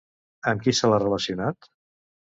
Amb qui se l'ha relacionat?